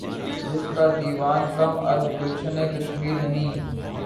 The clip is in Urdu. جس کا دیوان کم از گلشنِ کشمیر نہیں